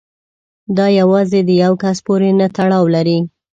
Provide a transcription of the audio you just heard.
دا یوازې د یو کس پورې نه تړاو لري.